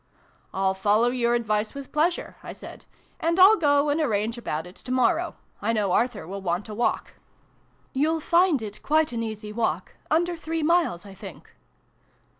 " I'll follow your advice, with pleasure," I said ;" and I'll go and arrange about it to morrow. I know Arthur will want a walk." 26 SYLVIE AND BRUNO CONCLUDED. " You'll find it quite an easy walk under three miles, I think."